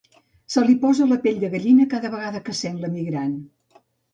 Se li posa la pell de gallina cada vegada que sent "L'emigrant".